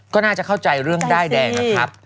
ก็น่าจะเข้าใจเรื่องด้ายแดงนะครับ